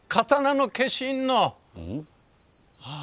ああ。